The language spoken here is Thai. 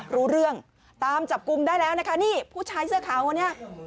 รู้เรื่องตามจับกลุ่มได้แล้วนะคะนี่ผู้ชายเสื้อขาวคนนี้